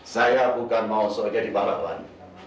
saya bukan mau saya jadi pahlawan